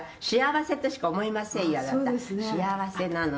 「幸せなの」